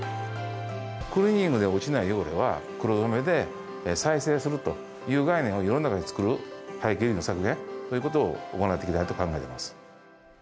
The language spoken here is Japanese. クリーニングで落ちない汚れは、黒染めで再生するという概念を世の中に作る、廃棄衣類の削減ということを行っていきたいと考えています。